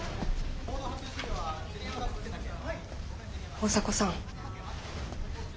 大迫さん